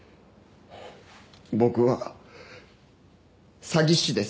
僕は詐欺師です。